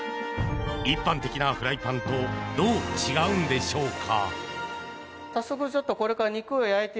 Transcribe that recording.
一般的なフライパンとどう違うのでしょうか。